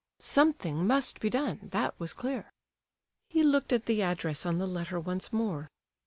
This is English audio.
Something must be done, that was clear. He looked at the address on the letter once more.